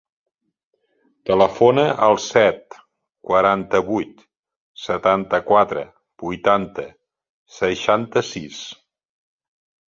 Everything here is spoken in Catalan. Telefona al set, quaranta-vuit, setanta-quatre, vuitanta, seixanta-sis.